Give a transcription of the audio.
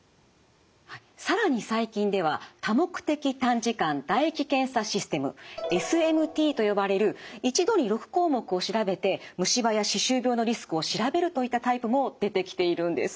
更に最近では多目的短時間唾液検査システムＳＭＴと呼ばれる一度に６項目を調べて虫歯や歯周病のリスクを調べるといったタイプも出てきているんです。